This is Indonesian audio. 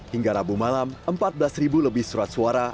hingga rabu malam empat belas lebih surat suara